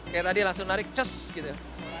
kayak tadi langsung narik cus gitu